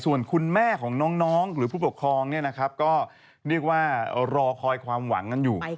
ซึ่งตอน๕โมง๔๕นะฮะทางหน่วยซิวได้มีการยุติการค้นหาที่